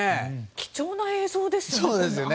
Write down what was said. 貴重な映像ですよね。